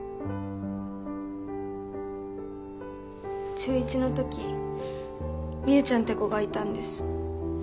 中１の時みゆちゃんって子がいたんです。